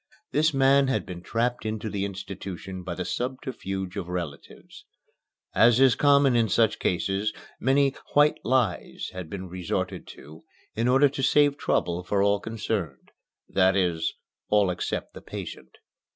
This man had been trapped into the institution by the subterfuge of relatives. As is common in such cases, many "white" lies had been resorted to in order to save trouble for all concerned that is, all except the patient.